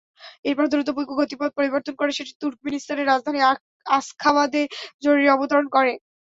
এরপর দ্রুত গতিপথ পরিবর্তন করে সেটি তুর্কমিনিস্তানের রাজধানী আশখাবাদে জরুরি অবতরণ করে।